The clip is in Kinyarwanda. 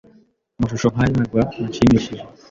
Amashusho nkaya ntabwo anshimishije.